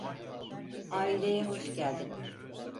Aileye hoş geldin.